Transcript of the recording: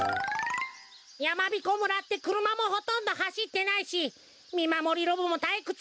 やまびこ村ってくるまもほとんどはしってないしみまもりロボもたいくつだよな。